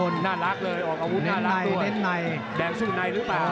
น่ารักเลยออกอาวุธน่ารักดีเน้นในแดงสู้ในหรือเปล่า